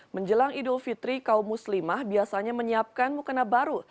menjelang idul fitri kaum muslimah biasanya menyiapkan mukena baru